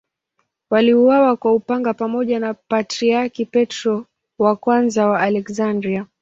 Waliuawa kwa upanga pamoja na Patriarki Petro I wa Aleksandria.